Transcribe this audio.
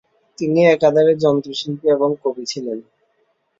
তিনি একাধারে যন্ত্রশিল্পী এবং কবি ছিলেন।